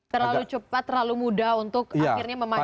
terlalu cepat terlalu mudah untuk akhirnya memakan